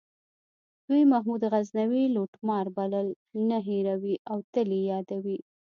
دوی محمود غزنوي لوټمار بلل نه هیروي او تل یې یادوي.